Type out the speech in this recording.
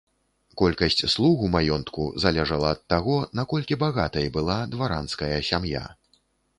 Колькасць слуг у маёнтку залежала ад таго, наколькі багатай была дваранская сям'я.